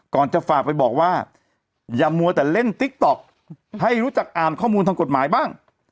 จะฝากไปบอกว่าอย่ามัวแต่เล่นติ๊กต๊อกให้รู้จักอ่านข้อมูลทางกฎหมายบ้าง